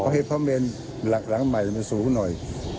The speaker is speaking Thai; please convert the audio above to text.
หลังหลังใหม่ถึงจะสูงอีกหน่อย